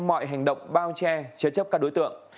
mọi hành động bao che chế chấp các đối tượng